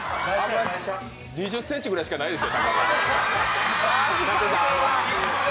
２０ｃｍぐらいしかないですよ。